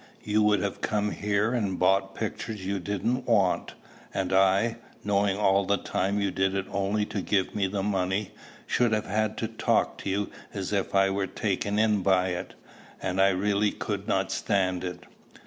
You would have come here and bought pictures you didn't want; and I, knowing all the time you did it only to give me the money, should have had to talk to you as if I were taken in by it; and I really could not stand it."